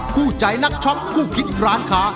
คู่ใจนักช็อคคู่คิดร้านค้า